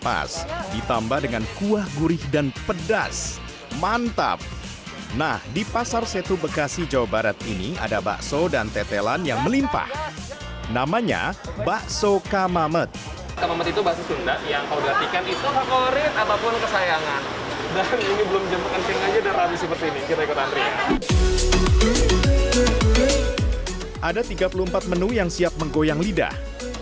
ada tiga puluh empat menu yang siap menggoyang lidah